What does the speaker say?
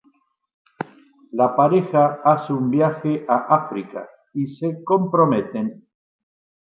La pareja hace un viaje a Africa y se comprometen.